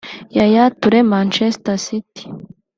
Yaya Toure (Manchester City)